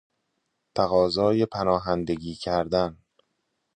تقاضای پناهندگی کردن